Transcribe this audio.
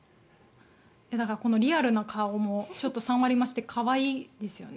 だから、リアルな顔もちょっと３割増しで可愛いですよね。